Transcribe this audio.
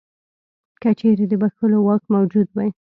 که چیرې د بخښلو واک موجود وای.